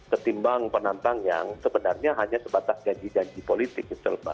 ketimbang penantang yang sebenarnya hanya sebatas janji janji politik